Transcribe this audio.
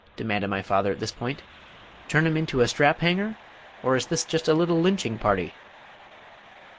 demanded my father at this point. "Turn him into a strap hanger, or is this just a little lynching party?"